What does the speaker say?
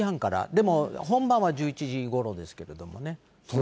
でも本番は１１時ごろですけれどもね。